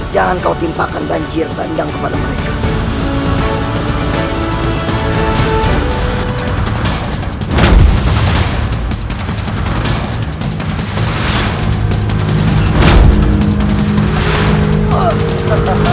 jangan kau timpakan banjir bandang kepada mereka